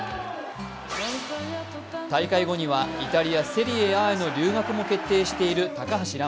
大会後にはイタリア・セリエＡへの留学も決定している高橋藍。